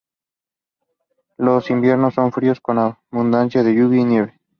Los inviernos son fríos con abundancia de lluvia y nieve.